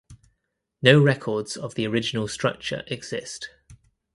No records of the original structure exist.